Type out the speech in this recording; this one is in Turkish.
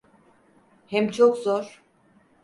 Hem çok zor…